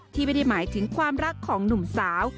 ที่ไม่ได้หมายถึงความรักของหนุ่มสาว